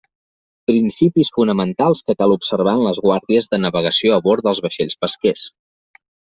Principis fonamentals que cal observar en les guàrdies de navegació a bord dels vaixells pesquers.